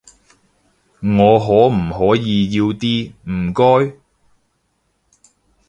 我可唔可以要啲，唔該？